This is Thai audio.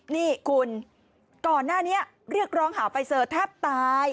นี่คุณก่อนหน้านี้เรียกร้องหาไฟเซอร์แทบตาย